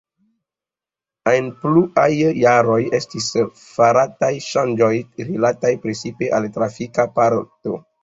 En pluaj jaroj estis farataj ŝanĝoj rilataj precipe al trafika parto.